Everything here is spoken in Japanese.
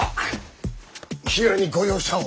平にご容赦を！